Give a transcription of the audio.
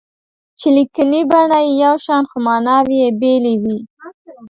چې لیکني بڼه یې یو شان خو ماناوې یې بېلې وي.